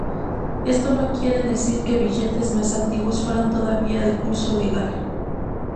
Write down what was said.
Esto no quiere decir que billetes más antiguos fueran todavía de curso legal.